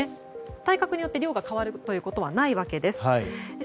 体格によって量が変わることはないわけです。